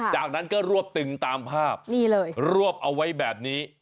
จากนั้นก็รวบตึงตามภาพนี่เลยรวบเอาไว้แบบนี้